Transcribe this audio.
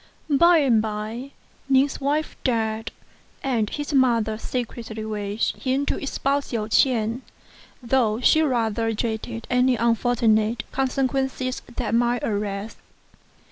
By and by, Ning's wife died, and his mother secretly wished him to espouse Hsiao ch'ien, though she rather dreaded any unfortunate consequences that might arise.